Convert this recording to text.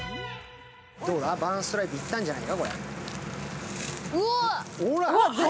どうだ、バーンストライクいったんじゃないか。